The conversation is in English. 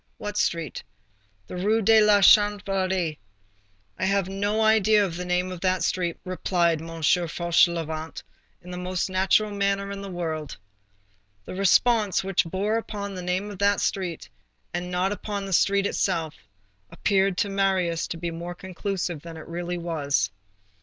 "What street?" "The Rue de la Chanvrerie." "I have no idea of the name of that street," replied M. Fauchelevent, in the most natural manner in the world. The response which bore upon the name of the street and not upon the street itself, appeared to Marius to be more conclusive than it really was.